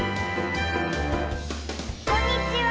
こんにちは！